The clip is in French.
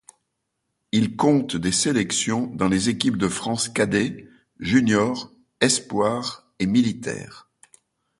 Il compte des sélections dans les équipes de France cadets, juniors, espoirs et militaires.